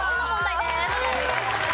お願いします。